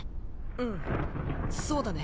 うんそうだね。